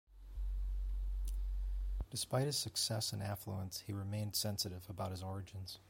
Despite his success and affluence, he remained sensitive about his origins.